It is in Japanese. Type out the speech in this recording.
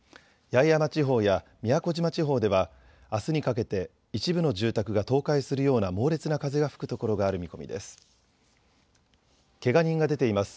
八重山地方や宮古島地方ではあすにかけて一部の住宅が倒壊するような猛烈な風が吹くところがある見込みです。